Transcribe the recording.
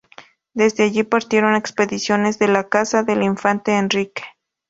Desde allí partieron expediciones de la casa del infante Enrique.